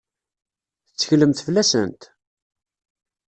Tetteklemt fell-asent?